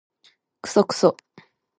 クソクソ